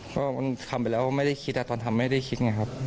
ก็มันทำไปแล้วไม่ได้คิดตอนทำไม่ได้คิดไงครับ